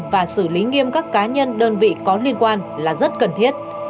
và xử lý nghiêm các cá nhân đơn vị có liên quan là rất cần thiết